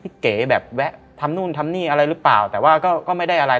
เก๋แบบแวะทำนู่นทำนี่อะไรหรือเปล่าแต่ว่าก็ไม่ได้อะไร